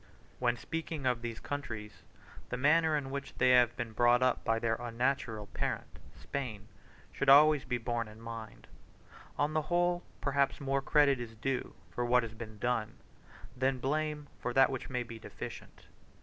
When speaking of these countries, the manner in which they have been brought up by their unnatural parent, Spain, should always be borne in mind. On the whole, perhaps, more credit is due for what has been done, than blame for that which may be deficient.